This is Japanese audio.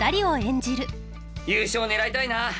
優勝狙いたいな。